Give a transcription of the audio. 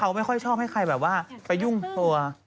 เอาไปช่วงหน้าเค้าบอกว่าคนมั๊ว